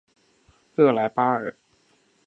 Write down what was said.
热莱巴尔。